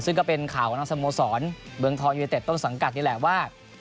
ซึ่งก็เป็นข่าวของทางสโมสรเมืองทองยูเนเต็ดต้นสังกัดนี่แหละว่า